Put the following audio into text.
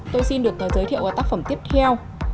tôi xin được giới thiệu tác phẩm tiếp theo